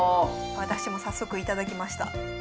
私も早速頂きました。